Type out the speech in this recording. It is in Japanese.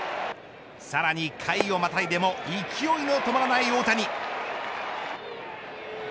さらに、回をまたいでも勢いの止まらない大谷。